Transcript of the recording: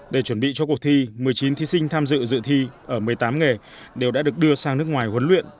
để chuẩn bị cho cuộc thi một mươi chín thí sinh tham dự dự thi ở một mươi tám nghề đều đã được đưa sang nước ngoài huấn luyện